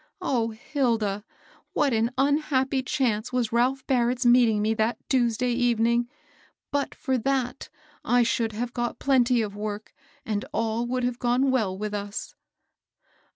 O Hilda! what an unhappy chance was Ralph Barrett's meeting me that Tuesday evening! But for that, I should have got plenty of work, and all would have gone well with us."